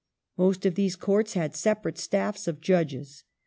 Most of these Courts had separate staffs of j udges.